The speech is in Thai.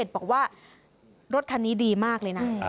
บอกว่ารถคันนี้ดีมากเลยนะ